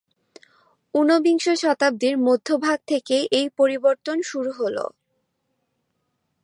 ঊনবিংশ শতাব্দীর মধ্য ভাগ থেকেই এর পরিবর্তন শুরু হলো।